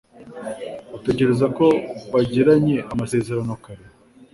Utekereza ko bagiranye amasezerano kare?